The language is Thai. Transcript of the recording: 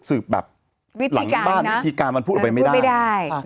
สืบแบบหลังบ้านวิธีการมันพูดออกไปไม่ได้ไม่ได้